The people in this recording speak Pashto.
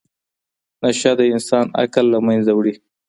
نشه د انسان عقل له منځه وړي.